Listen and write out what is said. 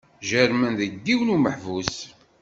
Jerrmen deg yiwen umeḥbus.